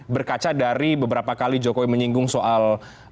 berkaca dari beberapa kali jokowi menyinggung soal